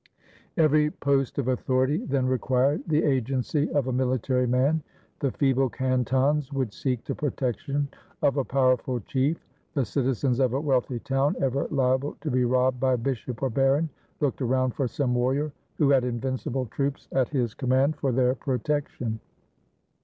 Every post of authority then required the agency of a military man. The feeble cantons would seek the protection of a powerful chief; the citizens of a wealthy town, ever liable to be robbed by bishop or baron, looked around for some warrior who had invincible troops at his com mand for their protection.